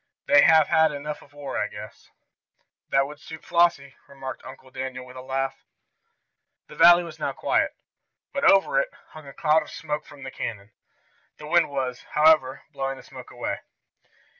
"They have had enough of war, I guess." "That would suit Flossie," remarked Uncle Daniel with a laugh. The valley was now quiet, but over it hung a cloud of smoke from the cannon. The wind was, however, blowing the smoke away.